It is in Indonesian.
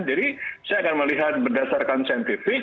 jadi saya akan melihat berdasarkan saintifik